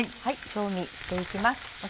調味して行きます。